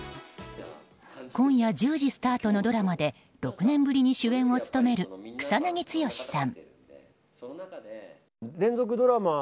今夜１０時スタートのドラマで６年ぶりに主演を務める草なぎ剛さん。